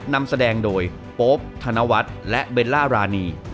นำแสดงโดยโป๊ปธนวัฒน์และเบลล่ารานี